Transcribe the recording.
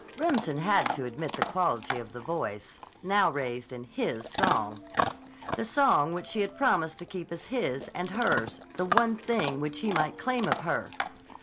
(Remsen had to admit the quality of the voice, now raised in his song. The song which she had promised to keep as his and hers; the one thing which he might claim of her!)